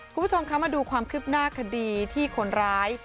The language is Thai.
คุณผู้ชมคะมาดูความคืบหน้าคดีที่คนร้าย